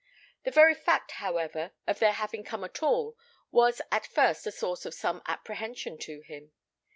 The very fact, however, of their having come at all was at first a source of some apprehension to him.